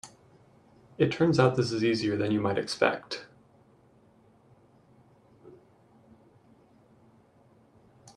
It turns out this is easier than you might expect.